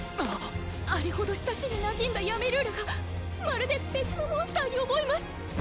あれほど親しみなじんだヤメルーラがまるで別のモンスターに思えます！